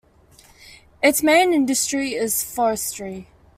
Its main industry is forestry.